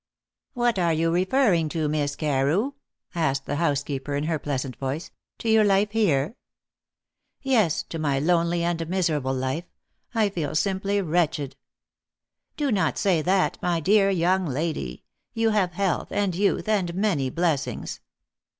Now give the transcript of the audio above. "What are you referring to, Miss Carew?" asked the housekeeper in her pleasant voice "to your life here?" "Yes; to my lonely and miserable life. I feel simply wretched." "Do not say that, my dear young lady. You have health, and youth, and many blessings."